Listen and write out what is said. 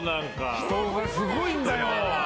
人がすごいんだよ。